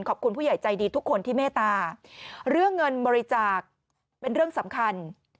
ขอบคุณผู้ใหญ่ใจดีทุกคนที่เมตตาเรื่องเงินบริจาคเป็นเรื่องสำคัญ